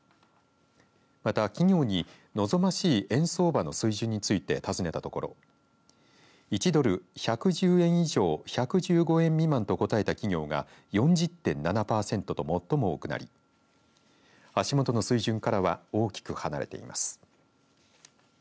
また、企業に望ましい円相場の水準について尋ねたところ１ドル１１０円以上１１５円未満と答えた企業が４０．７パーセントと最も多くなり足元の水準からは大きく離れています。